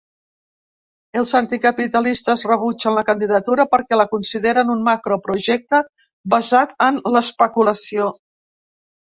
Els anticapitalistes rebutgen la candidatura perquè la consideren un “macroprojecte basat en l’especulació”.